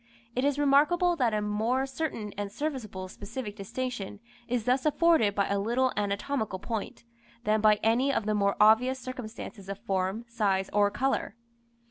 It is remarkable that a more certain and serviceable specific distinction is thus afforded by a little anatomical point, than by any of the more obvious circumstances of form, size, or colour.